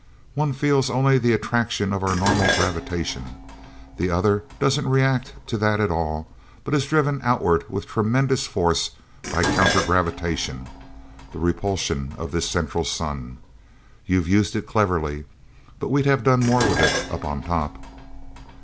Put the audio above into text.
One feels only the attraction of our normal gravitation; the other doesn't react to that at all, but is driven outward with tremendous force by counter gravitation, the repulsion of this Central Sun. You've used it cleverly, but we'd have done more with it up on top."